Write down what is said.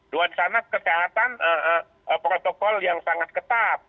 wacana kesehatan protokol yang sangat ketat